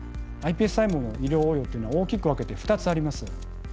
ｉＰＳ細胞の医療応用というのは大きく分けて２つあります。